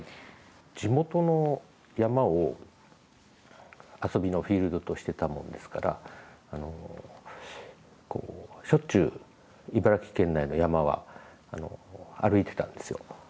地元の山を遊びのフィールドとしていたもんですからしょっちゅう茨城県内の山は歩いていたんですよ。